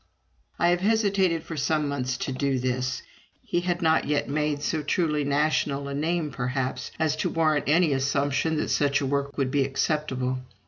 I have hesitated for some months to do this. He had not yet made so truly national a name, perhaps, as to warrant any assumption that such a work would be acceptable.